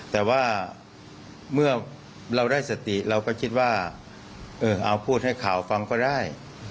แต่ว่าเมื่อเราได้สติเราก็คิดว่าเอาพูดให้ข่าวฟังก็ได้